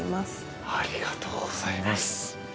ありがとうございます。